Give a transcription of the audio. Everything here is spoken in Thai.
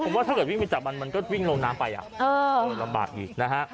ผมว่าถ้าเกิดวิ่งไปจับมันมันก็วิ่งลงน้ำไปลำบากอีกนะฮะ